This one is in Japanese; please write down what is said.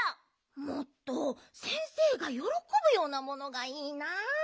もっと先生がよろこぶようなものがいいなあ。